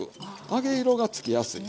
揚げ色がつきやすい。